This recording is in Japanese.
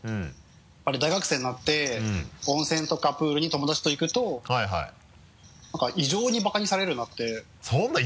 やっぱり大学生になって温泉とかプールに友達と行くと何か異常にバカにされるようになって。